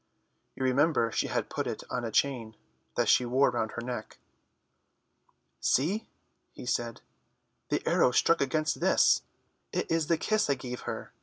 You remember she had put it on a chain that she wore round her neck. "See," he said, "the arrow struck against this. It is the kiss I gave her.